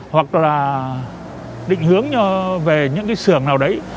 hoặc là định hướng về những cái xưởng nào đấy